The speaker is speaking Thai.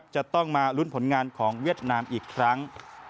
จะต้องมาลุ้นผลงานของเวียดนามอีกครั้ง